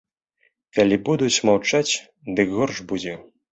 Калі будуць маўчаць, дык горш будзе.